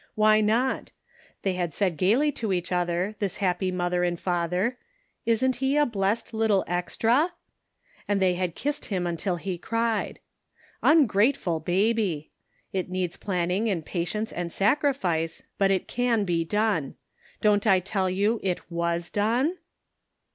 Why not ? They had said gaily to each other, this happy father and mother, " Isn't he a blessed little extra ?" and they had kissed him until 334 The Pocket Measure. he cried. Ungrateful baby. It needs planning and patience and sacrifice, but it can be done. Don't I tell you it was done?